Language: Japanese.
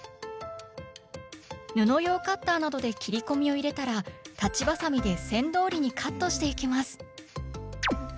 布用カッターなどで切り込みを入れたら裁ちばさみで線どおりにカットしていきます。